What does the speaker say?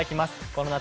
この夏